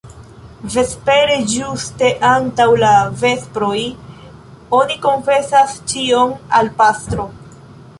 Vespere, ĝuste antaŭ la vesproj, oni konfesas ĉion al pastro.